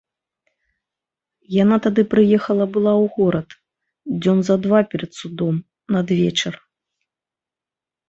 Яна тады прыехала была ў горад дзён за два перад судом, надвечар.